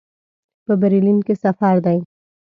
په برلین کې سفیر دی.